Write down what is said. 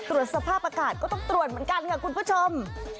ตรวจสภาพอากาศก็ต้องตรวจเหมือนกันค่ะคุณผู้ชม